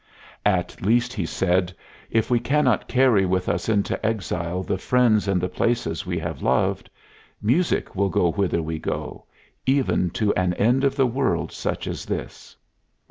"At least," he said, "if we cannot carry with us into exile the friends and the places we have loved, music will go whither we go, even to an end of the world such as this.